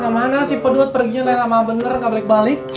kecak kemana si peduat pergi nilai lama bener nggak balik balik